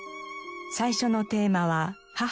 最初のテーマは「母」。